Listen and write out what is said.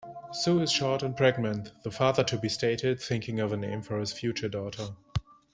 "Sue is short and pregnant", the father-to-be stated, thinking of a name for his future daughter.